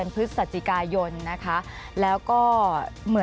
อันดับสุดท้ายแก่มือ